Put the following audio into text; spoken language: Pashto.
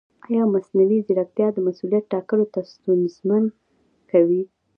ایا مصنوعي ځیرکتیا د مسؤلیت ټاکل نه ستونزمن کوي؟